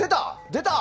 出た！